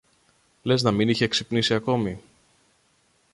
Λες να μην είχε ξυπνήσει ακόμη